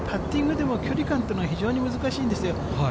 パッティングでも、距離感というのは非常に難しいんですよ。